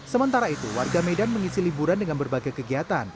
sementara itu warga medan mengisi liburan dengan berbagai kegiatan